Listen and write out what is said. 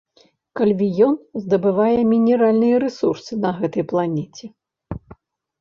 Кальвіён здабывае мінеральныя рэсурсы на гэтай планеце.